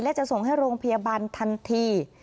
และจะส่งให้โรงพยาบาลทันที